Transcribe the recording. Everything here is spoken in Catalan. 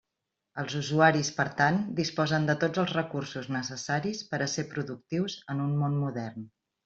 Els usuaris, per tant, disposen de tots els recursos necessaris per a ser productius en un món modern.